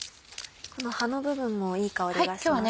この葉の部分もいい香りがしますよね。